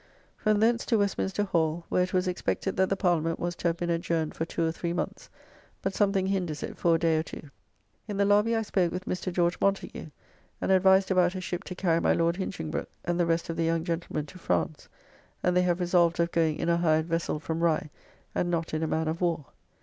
From thence to Westminster Hall, where it was expected that the Parliament was to have been adjourned for two or three months, but something hinders it for a day or two. In the lobby I spoke with Mr. George Montagu, and advised about a ship to carry my Lord Hinchingbroke and the rest of the young gentlemen to France, and they have resolved of going in a hired vessell from Rye, and not in a man of war.